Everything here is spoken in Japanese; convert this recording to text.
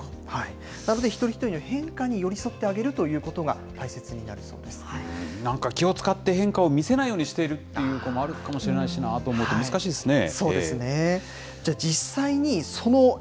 なので、一人一人の変化に寄り添ってあげるということが、大なんか、気を遣って変化を見せないようにしているという子もあるかもしれないしなぁと思って、難しいですね。